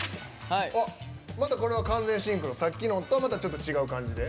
これは完全シンクロさっきのとはまた違う感じで？